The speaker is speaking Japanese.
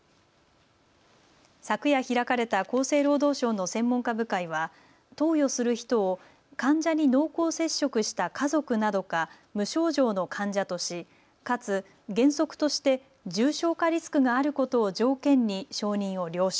昨夜開かれた厚生労働省の専門家部会は投与する人を患者に濃厚接触した家族などか無症状の患者とし、かつ、原則として重症化リスクのあることを条件に承認を了承。